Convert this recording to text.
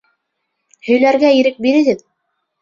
— Һөйләргә ирек бирегеҙ.